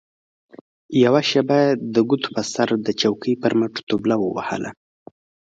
يوه شېبه يې د ګوتو په سر د چوکۍ پر مټو طبله ووهله.